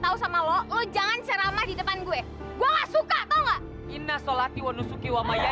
tahu sama lo jangan ceramah di depan gue gua suka tahu enggak inna sholati wa nusuki wa maya